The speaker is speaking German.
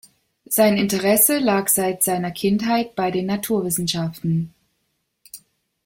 Sein Interesse lag seit seiner Kindheit bei den Naturwissenschaften.